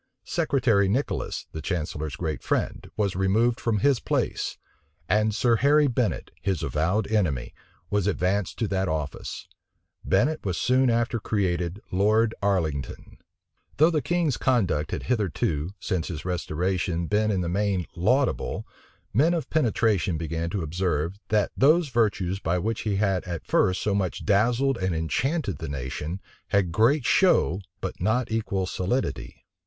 Secretary Nicholas, the chancellor's great friend, was removed from his place; and Sir Harry Bennet, his avowed enemy, was advanced to that office. Bennet was soon after created Lord Arlington. Though the king's conduct had hitherto, since his restoration, been in the main laudable, men of penetration began to observe, that those virtues by which he had at first so much dazzled and enchanted the nation, had great show, but not equal solidity.